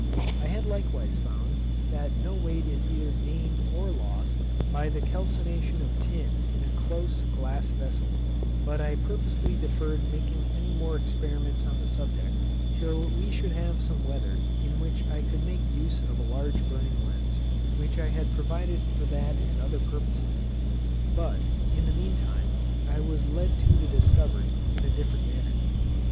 I had likewise found, that no weight is either gained or lost by the calcination of tin in a close glass vessel; but I purposely deferred making any more experiments on the subject, till we should have some weather in which I could make use of a large burning lens, which I had provided for that and other purposes; but, in the mean time, I was led to the discovery in a different manner.